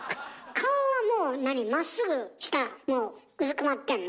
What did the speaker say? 顔はもうまっすぐ下うずくまってんの？